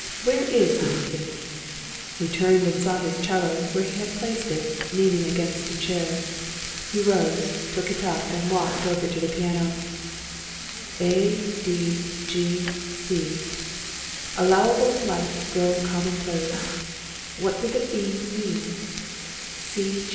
Where is the Infant?" He turned and saw his 'cello, where he had placed it, leaning against a chair. He rose, took it up, and walked over to the piano. "A, D, G, C. 'Allowable delights grow commonplace!' What did the fiend mean?